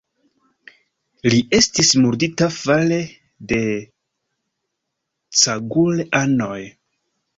Li estis murdita fare de Cagoule-anoj.